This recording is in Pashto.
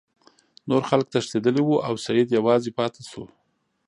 نور خلک تښتیدلي وو او سید یوازې پاتې شو.